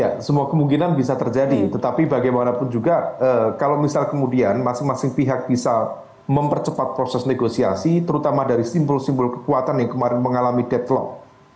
ya semua kemungkinan bisa terjadi tetapi bagaimanapun juga kalau misal kemudian masing masing pihak bisa mempercepat proses negosiasi terutama dari simbol simbol kekuatan yang kemarin mengalami deadlock